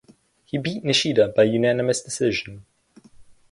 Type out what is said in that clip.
He beat Nishida by unanimous decision.